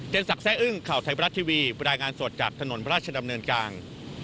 สักแร่อึ้งข่าวไทยบรัฐทีวีบรรยายงานสดจากถนนพระราชดำเนินกลาง